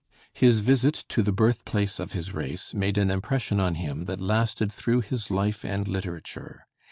His visit to the birthplace of his race made an impression on him that lasted through his life and literature.